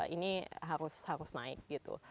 ini harus naik gitu